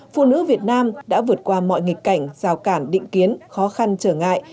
phụ nữ việt nam đã vượt qua mọi nghịch cảnh rào cản định kiến khó khăn trở ngại